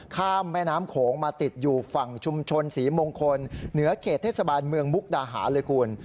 ข้ามแม่น้ำโขงมาติดอยู่ฝั่งชุมชนศรีมงคลเหนือเขตเทศบาลเมืองมุกดาหารเลยคุณ